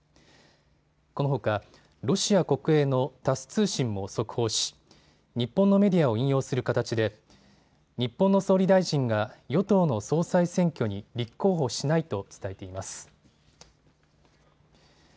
このほかロシア国営のタス通信も速報し日本のメディアを引用する形で日本の総理大臣が与党の総裁選挙に立候補しないと伝えています。